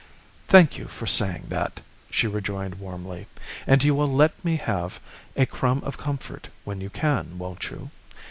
"Thank you for saying that," she rejoined warmly; "and you will let me have a crumb of comfort when you can, won't you?"